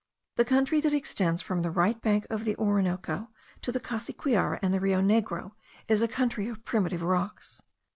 The country that extends from the right bank of the Orinoco to the Cassiquiare and the Rio Negro, is a country of primitive rocks.